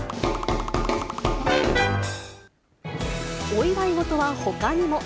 お祝い事はほかにも。